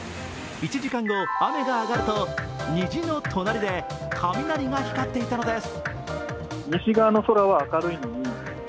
１時間後、雨が上がると虹の隣で雷が光っていたのです。